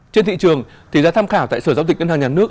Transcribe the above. trên thị trường tỷ giá tham khảo tại sở giao dịch ngân hàng nhà nước